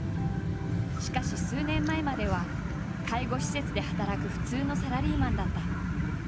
しかし数年前までは介護施設で働く普通のサラリーマンだった。